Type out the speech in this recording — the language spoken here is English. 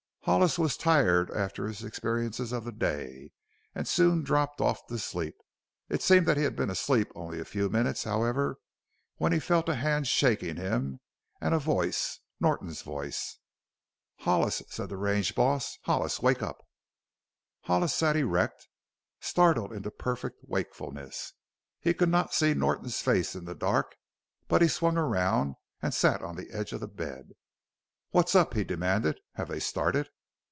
Hollis was tired after his experiences of the day and soon dropped off to sleep. It seemed that he had been asleep only a few minutes, however, when he felt a hand shaking him, and a voice Norton's voice. "Hollis!" said the range boss. "Hollis! Wake up!" Hollis sat erect, startled into perfect wakefulness. He could not see Norton's face in the dark, but he swung around and sat on the edge of the bed. "What's up?" he demanded. "Have they started?"